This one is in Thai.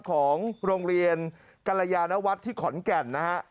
ของโรงเรียนกรยานวัฒน์ที่ขอนแก่นนะฮะ